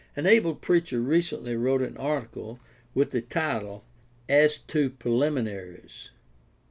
An able preacher recently wrote an article with the title "As to Preliminaries."